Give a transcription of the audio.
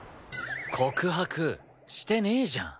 告白してねえじゃん。